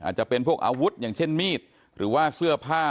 จะเป็นพวกอาวุธอย่างเช่นมีดหรือว่าเสื้อผ้า